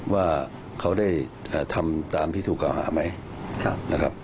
ว่าเขาได้ทำตามที่ถูกก่อหาไหม